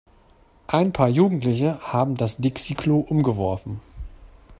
Ein paar Jugendliche haben das Dixi-Klo umgeworfen.